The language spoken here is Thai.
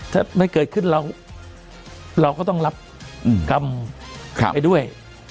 ถ้ามันเกิดขึ้นเราก็ต้องรับกรรมไปด้วย